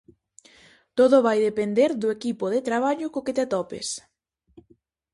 Todo vai depender do equipo de traballo co que te atopes.